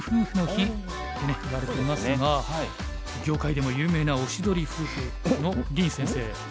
業界でも有名なおしどり夫婦の林先生。